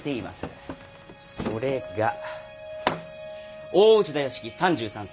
それが大内田佳基３３歳。